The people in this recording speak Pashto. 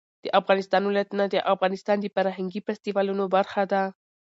د افغانستان ولايتونه د افغانستان د فرهنګي فستیوالونو برخه ده.